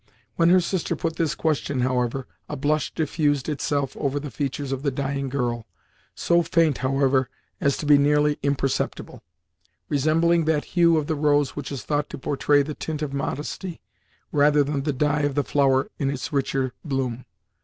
When her sister put this question, however, a blush diffused itself over the features of the dying girl, so faint however as to be nearly imperceptible; resembling that hue of the rose which is thought to portray the tint of modesty, rather than the dye of the flower in its richer bloom.